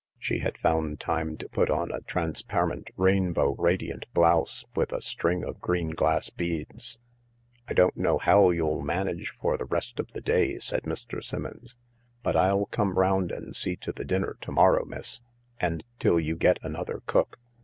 She had found time to put on a trans parent rainbow radiant blouse and a string of green glass beads. " I don't know how you'll manage for the rest of the day," said Mr. Simmons, " but I'll come round and see to the dinner to morrow, miss, and till you get another cook.